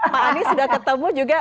pak anies sudah ketemu juga